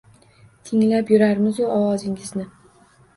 Tinglab yurarmizu ovozingizni